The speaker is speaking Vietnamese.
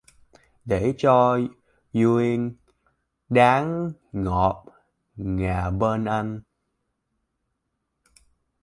Để cho duyên dáng ngọc ngà bên anh